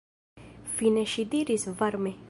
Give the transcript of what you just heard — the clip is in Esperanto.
Fine ŝi diris varme: